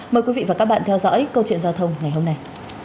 mời quý vị và các bạn theo dõi câu chuyện giao thông ngày hôm nay